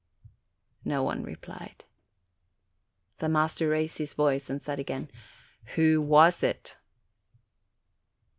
No one replied. The master raised his voice, and said again, "Who was it?"